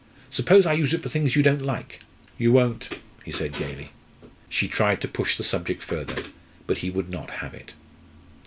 Suppose I use it for things you don't like?" "You won't," he said gaily. She tried to push the subject further, but he would not have it.